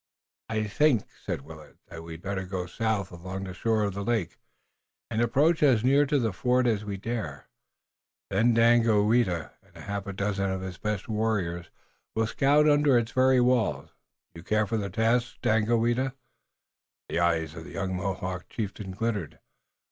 "I think," said Willet, "that we'd better go south along the shore of the lake, and approach as near to the fort as we dare. Then Daganoweda and a half dozen of his best warriors will scout under its very walls. Do you care for the task, Daganoweda?" The eyes of the young Mohawk chieftain glittered.